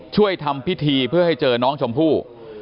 ทำพิธีเพื่อให้เจอน้องชมพู่